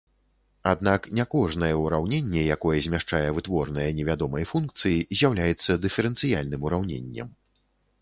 Аднак не кожнае ўраўненне, якое змяшчае вытворныя невядомай функцыі, з'яўляецца дыферэнцыяльным ураўненнем.